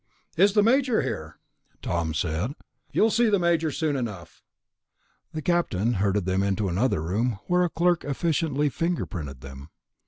"Is the Major here?" Tom said. "You'll see the Major soon enough." The Captain herded them into another room, where a clerk efficiently fingerprinted them.